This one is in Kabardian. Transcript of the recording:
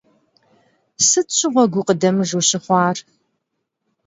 Sıt şığue gukhıdemıc vuşıxhuar?